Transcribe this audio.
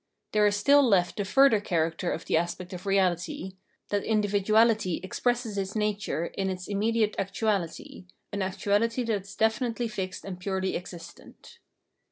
There is still left the further character of the aspect of reahty, — that individuahty expresses its nature in its immediate actuahty, an actuahty that is definitely fixed and purely existent.